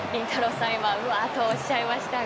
さん、今うわあとおっしゃいましたが。